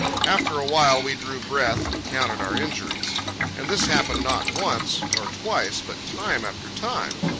After a while we drew breath and counted our injuries. And this happened not once, nor twice, but time after time.